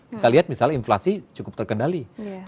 kita lihat misalnya inflasi cukup terkendali